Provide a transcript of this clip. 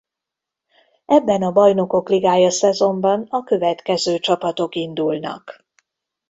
Ebben a Bajnokok Ligája szezonban a következő csapatok indulnak.